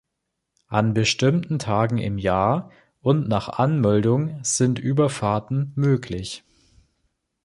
An bestimmten Tagen im Jahr und nach Anmeldung sind Überfahrten möglich.